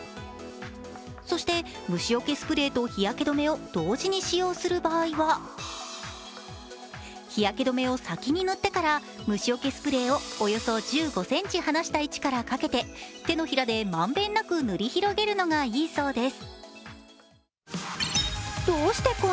そして虫よけスプレーと日焼け止めを同時に使用する場合は日焼け止めを先に塗ってから虫よけスプレーをおよそ１５ｃｍ離した位置からかけて、手のひらで満遍なく塗り広げるのがいいそうです。